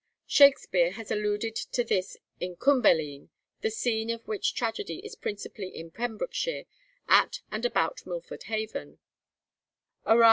Shakspeare has alluded to this in 'Cymbeline,' the scene of which tragedy is principally in Pembrokeshire, at and about Milford Haven: _Arv.